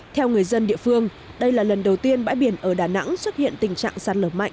theo người dân địa phương đây là lần đầu tiên bãi biển ở đà nẵng xuất hiện tình trạng sạt lở mạnh